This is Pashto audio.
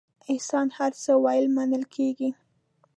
احسان هر څه ویل منل کېږي.